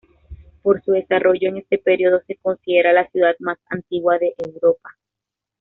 Por su desarrollo en este periodo se considera la ciudad más antigua de Europa.